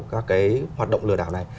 các cái hoạt động lừa đảo này